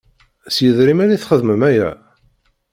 S yedrimen i txeddmeḍ aya?